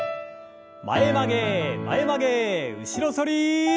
前曲げ前曲げ後ろ反り。